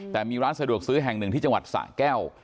แต่มีร้านสะดวกซื้อแห่งหนึ่งที่จังหวัดสะแก้ว